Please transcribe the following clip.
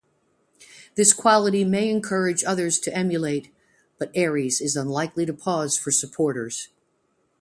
This quality may encourage others to emulate-but Aries is unlikely to pause for supporters.